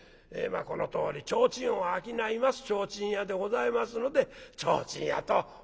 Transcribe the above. まあこのとおり提灯を商います提灯屋でございますので提灯屋と申しました。